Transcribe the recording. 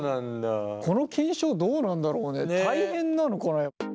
この検証どうなんだろうね大変なのかな？